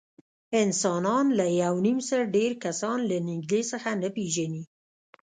انسانان له یونیمسل ډېر کسان له نږدې څخه نه پېژني.